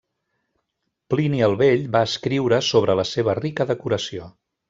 Plini el Vell va escriure sobre la seva rica decoració.